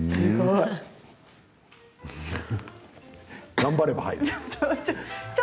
頑張れば入る。